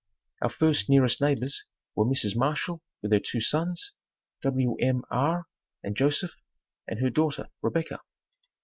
Our first nearest neighbors were Mrs. Marshall with her two sons, Wm. R. and Joseph, and her daughter, Rebecca.